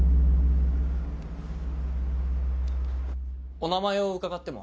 お名前を伺っても？